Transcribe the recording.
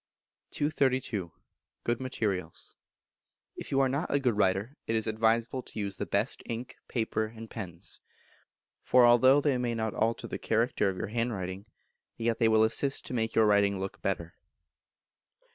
232. Good Materials. If you are not a good writer it is advisable to use the best ink, paper, and pens. For although they may not alter the character of your handwriting, yet they will assist to make your writing look better.